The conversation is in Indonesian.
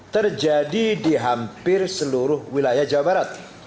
terjadi di hampir seluruh wilayah jawa barat